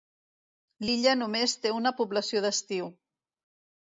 L'illa només té una població d'estiu.